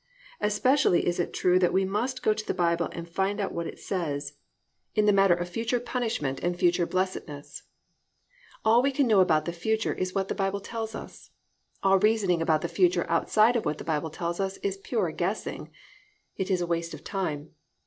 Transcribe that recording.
Especially is it true that we must go to the Bible and find what it says in the matter of future punishment and future blessedness. All we know about the future is what the Bible tells us. All reasoning about the future outside of what the Bible tells us is pure guessing, it is a waste of time.